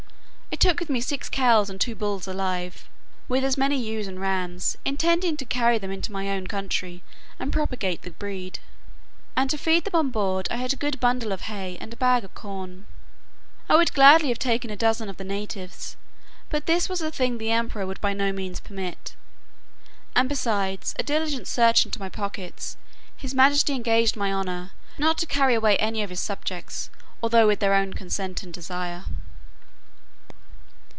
I took with me six cows and two bulls alive, with as many ewes and rams, intending to carry them into my own country, and propagate the breed. And to feed them on board, I had a good bundle of hay, and a bag of corn. I would gladly have taken a dozen of the natives, but this was a thing the emperor would by no means permit; and, besides a diligent search into my pockets, his majesty engaged my honour "not to carry away any of his subjects, although with their own consent and desire."